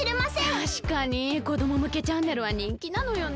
たしかにこどもむけチャンネルはにんきなのよね。